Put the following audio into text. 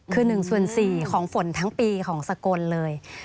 คือ๑ส่วน๔ของฝนทั้งปีของสกลเลย